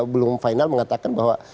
belum final mengatakan bahwa